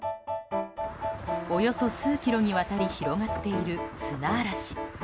およそ数キロにわたり広がっている砂嵐。